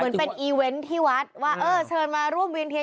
เหมือนเป็นอีเว้นที่วัดว่าเชิญมาร่วมเวียนเทียน